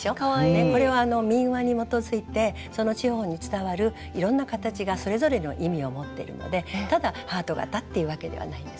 これは民話に基づいてその地方に伝わるいろんな形がそれぞれの意味を持ってるのでただハート形っていうわけではないんですね。